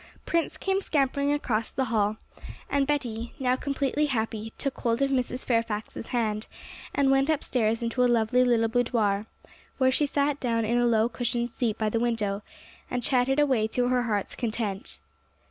Prince came scampering across the hall, and Betty, now completely happy, took hold of Mrs. Fairfax's hand, and went upstairs into a lovely little boudoir, where she sat down in a low cushioned seat by the window, and chattered away to her heart's content.